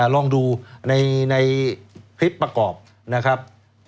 ลองดูในคลิปประกอบนะครับ